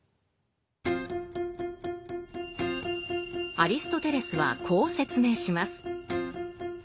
アリストテレスはこう説明します。